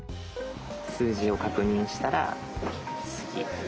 数字を確認したら次。